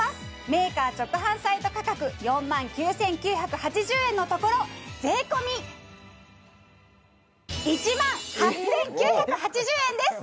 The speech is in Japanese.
メーカー直販サイト価格４万９９８０円のところ税込１万８９８０円です！